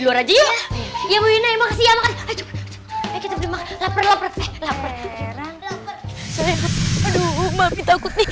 luar aja yuk ya wina yang makasih ya makan kita lapar lapar lapar lapar